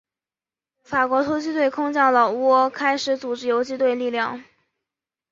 法国突击队空降老挝开始组织游击队力量。